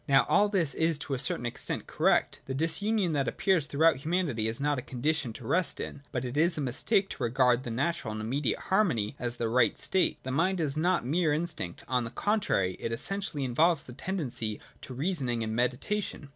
Now all this is to a certain extent correct. The disunion that appears throughout humanity is not a condition to rest in. But it is a mistake to regard the natural and immediate harmony as the right state. The mind is not mere instinct : on the contrary, it essentially involves the tendency to reasoning and meditation.